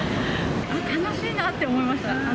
悲しいなって思いました。